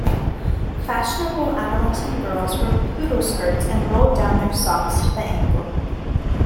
Fashionable adolescent girls wore poodle skirts and rolled down their socks to the ankle.